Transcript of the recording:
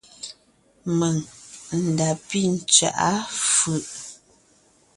Mèŋ n da pí tswaʼá fʉ̀ʼ.